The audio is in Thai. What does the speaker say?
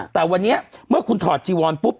แต่วันนี้เมื่อคุณถอดจีวอนปุ๊บ